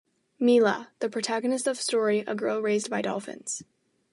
Mila: The protagonist of the story, a girl raised by dolphins.